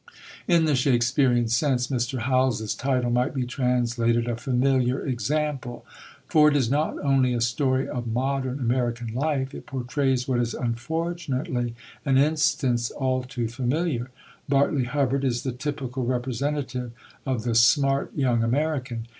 In the Shakespearian sense, Mr. Howells's title might be translated "A Familiar Example" for it is not only a story of modern American life, it portrays what is unfortunately an instance all too familiar. Bartley Hubbard is the typical representative of the "smart" young American.